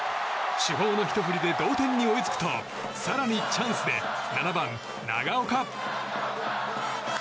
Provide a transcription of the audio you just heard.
主砲のひと振りで同点に追いつくと更にチャンスで７番、長岡。